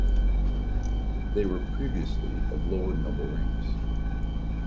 They were previously of lower noble ranks.